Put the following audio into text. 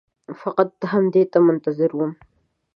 فقط همدې ته منتظر وم.